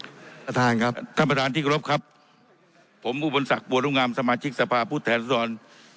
ท่านประธานครับท่านประธานที่กรบครับผมอุบลศักดิบัวรุ่งงามสมาชิกสภาพผู้แทนสดร